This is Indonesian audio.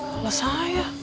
gak masalah ya